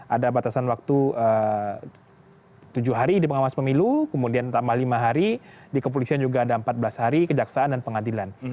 ada batasan waktu tujuh hari di pengawas pemilu kemudian tambah lima hari di kepolisian juga ada empat belas hari kejaksaan dan pengadilan